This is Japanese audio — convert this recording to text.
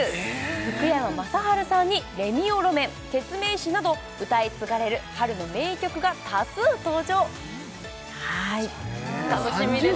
福山雅治さんにレミオロメンケツメイシなど歌い継がれる春の名曲が多数登場楽しみですよね